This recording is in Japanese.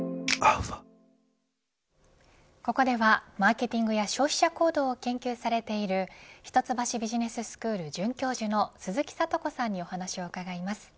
ここではマーケティングや消費者行動を研究されている一橋ビジネススクール准教授の鈴木智子さんにお話を伺います。